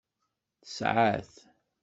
Tesɛa-t.